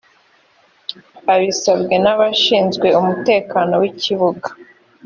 abisabwe n abashinzwe umutekano w ikibuga